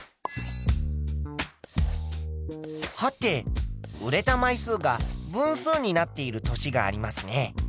はて売れた枚数が分数になっている年がありますね。